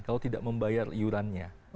kalau tidak membayar iurannya